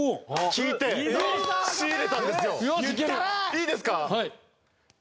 いいですか？